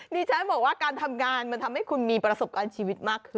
ดิฉันบอกว่าการทำงานมันทำให้คุณมีประสบการณ์ชีวิตมากขึ้น